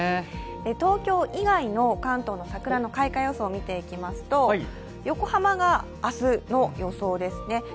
東京以外の関東の桜の開花予想を見ていきますと、横浜が明日の予想ですね。